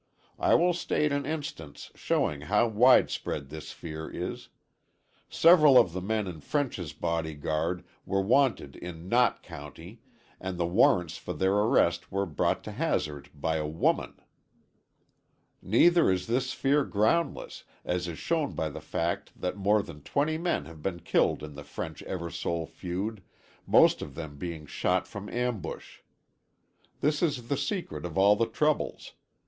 I will state an instance showing how widespread this fear is: Several of the men in French's body guard were wanted in Knott County, and the warrants for their arrest were brought to Hazard by a woman. Neither is this fear groundless, as is shown by the fact that more than twenty men have been killed in the French Eversole feud, most of them being shot from ambush. This is the secret of all the troubles.